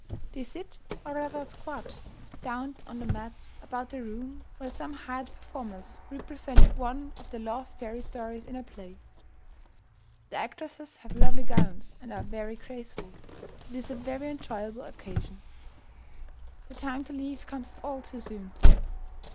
They sit, or rather squat, down on the mats about the room while some hired performers represent one of their loved fairy stories in a play. The actresses have lovely gowns, and are very graceful. It is a very enjoyable occasion. The time to leave comes all too soon.